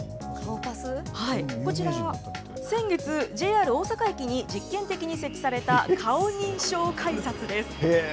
こちら、先月、ＪＲ大阪駅に実験的に設置された、顔認証改札です。